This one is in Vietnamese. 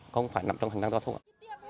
không phải nằm trong hành lang giao thông